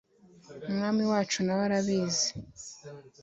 umwami wacu nawe arabizi